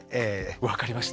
分かりました。